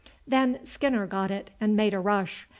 Then Skinner got it and made a rush.